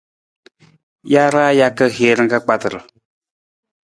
Jaraa jaka hiir ka kpatar.